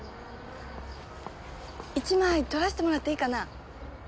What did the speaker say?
一枚撮らせてもらっていいかな？